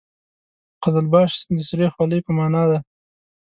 قزلباش د سرې خولۍ په معنا ده.